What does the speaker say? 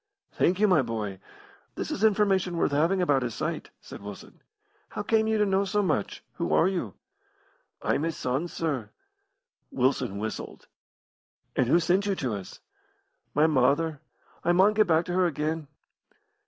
"Thank you, my boy. This is information worth having about his sight," said Wilson. "How came you to know so much? Who are you?" "I'm his son, sir." Wilson whistled. "And who sent you to us?" "My mother. I maun get back to her again."